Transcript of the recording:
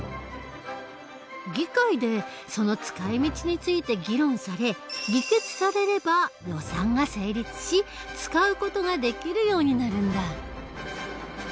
議会でその使い道について議論され議決されれば予算が成立し使う事ができるようになるんだ。